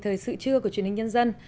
thời sự trưa của truyền hình nhân dân